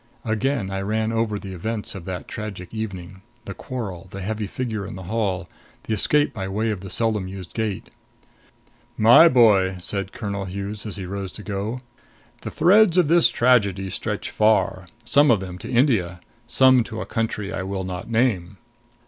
Again I ran over the events of that tragic evening the quarrel; the heavy figure in the hall; the escape by way of the seldom used gate. "My boy," said Colonel Hughes as he rose to go, "the threads of this tragedy stretch far some of them to India; some to a country I will not name.